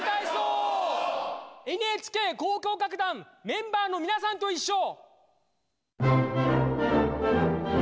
ＮＨＫ交響楽団メンバーのみなさんといっしょ！